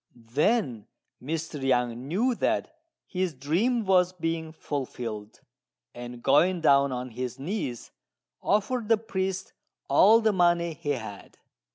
Then Mr. Yang knew that his dream was being fulfilled; and going down on his knees offered the priest all the money he had.